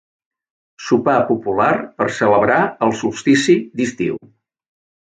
Sopar popular per celebrar el solstici d'estiu.